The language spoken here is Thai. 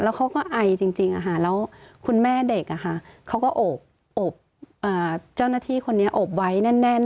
เขาก็ไอจริงแล้วคุณแม่เด็กเขาก็โอบเจ้าหน้าที่คนนี้โอบไว้แน่น